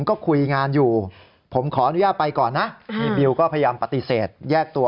ก็คุยงานอยู่ผมขออนุญาตไปก่อนนะมีบิวก็พยายามปฏิเสธแยกตัว